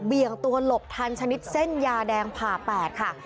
เบี่ยงตัวหลบทันชนิดเส้นยาแดงผ่าแปดค่ะ